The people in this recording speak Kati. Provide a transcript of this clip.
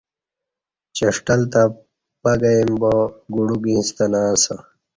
چہ ݜٹل تہ پہ گہ ییم با گ ڈوک یݩستہ نہ اسہ